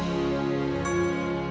tante aku sudah selesai